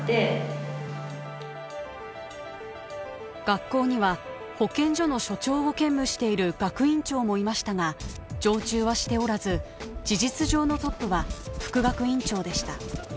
学校には保健所の所長を兼務している学院長もいましたが常駐はしておらず事実上のトップは副学院長でした。